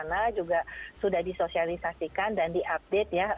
nah ini juga sudah disosialisasikan dan diupdate ya